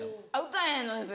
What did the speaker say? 歌えへんのですよ。